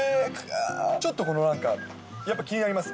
ちょっとこのなんか、やっぱ気になります？